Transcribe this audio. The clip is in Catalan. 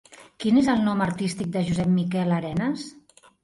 Quin és el nom artístic de Josep Miquel Arenes?